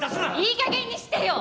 いいかげんにしてよ！